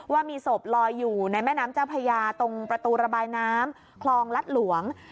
ว่ามีศพลอยอยู่ในแม่น้ำเจ้าพญาตรงประตูระบายน้ำคลองรัฐหลวง